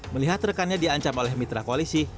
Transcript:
melihat rekannya diancam oleh mitra koalisi